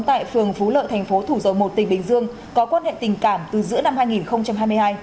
tại phường phú lợi thành phố thủ dầu một tỉnh bình dương có quan hệ tình cảm từ giữa năm hai nghìn hai mươi hai